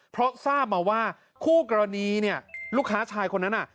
เพราะทราบมาว่าคู่กรณีเนี่ยลูกค้าชายคนนั้นน่ะ